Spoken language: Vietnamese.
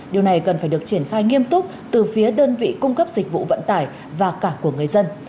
điều này cần phải được triển khai nghiêm túc từ phía đơn vị cung cấp dịch vụ vận tải và cả của người dân